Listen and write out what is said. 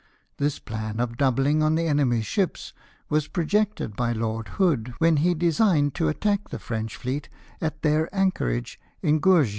This plan of doubling on the enemy's ships was projected by Lord Hood, when he designed to attack the French fleet at their anchorage in Gourjean Road.